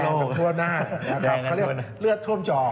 ทั่วหน้านะครับเขาเรียกเลือดท่วมจอ